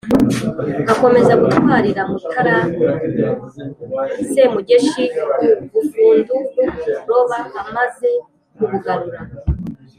akomeza gutwarira mutara semugeshi u bufundu n'u buroba, amaze kubugarura.